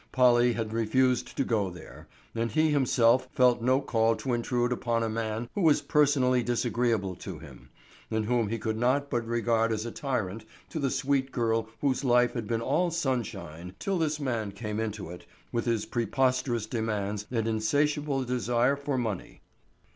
Polly had refused to go there, and he himself felt no call to intrude upon a man who was personally disagreeable to him, and whom he could not but regard as a tyrant to the sweet girl whose life had been all sunshine till this man came into it with his preposterous demands and insatiable desire for money.